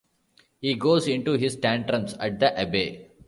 He goes into his tantrums at the abbey.